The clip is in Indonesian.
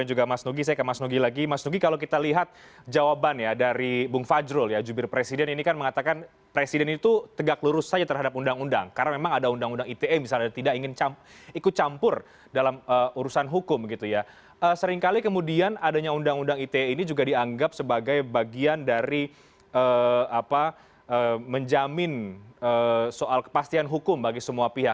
untuk mengambil kesempatan kita akan berbicara tentang hal hal yang terjadi di daerah sosial media